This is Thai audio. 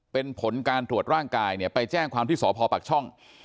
เป็นผลการตรวจร่างกายเนี่ยไปแจ้งความที่สพปักช่อง